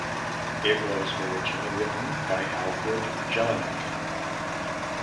It was originally written by Alfred Jellinek.